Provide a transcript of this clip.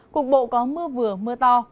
cục bộ có mưa vừa mưa to